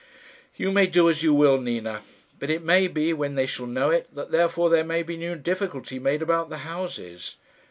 "You may do as you will, Nina; but it may be, when they shall know it, that therefore there may be new difficulty made about the houses.